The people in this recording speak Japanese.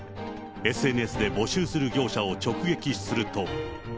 ＳＮＳで募集する業者を直撃すると。